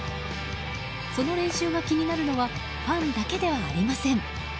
その練習が気になるのはファンだけではありません。